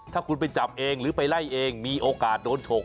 ถ้าคุณไปจับเองหรือไปไล่เองมีโอกาสโดนฉก